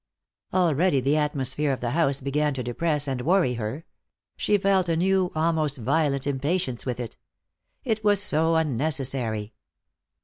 Already the atmosphere of the house began to depress and worry her; she felt a new, almost violent impatience with it. It was so unnecessary.